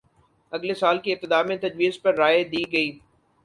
اگلے سال کی ابتدا میں تجویز پر رائے دے گی